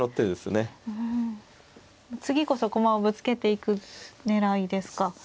うん次こそ駒をぶつけていく狙いですか。